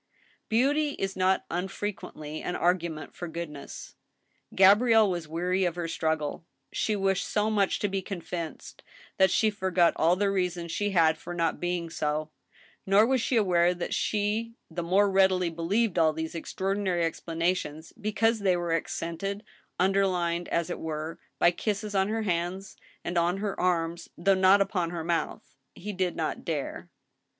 Beauty is not unfrequently an argument for goodness. Gabrielle was weary of her struggle. She wished so much to be convinced, that she forgot all the reasons she had for not being so ; nor was she aware that she the more readily believed all these extraordinary explanations because they were accented, underlined as it were, by kisses on her hands and on her arms, though not upon Jier mouth ;— he did not dare.